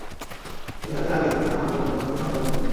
তুমি তাতে রাজি আছ, না মেয়ের সর্বনাশ করে পালানোই তোমার ইচ্ছা?